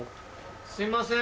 すいません。